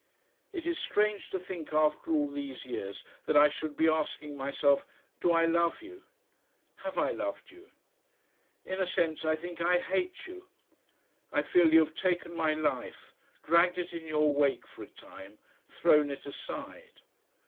"It is strange to think after all these years that I should be asking myself, do I love you? have I loved you? In a sense I think I HATE you. I feel you have taken my life, dragged it in your wake for a time, thrown it aside.